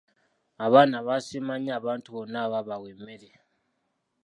Abaana baasiima nnyo abantu bonna abaabawa emmere.